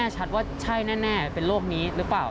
ใช่แน่เป็นโรคนี้หรือป่าว